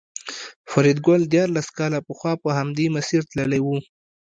فریدګل دیارلس کاله پخوا په همدې مسیر تللی و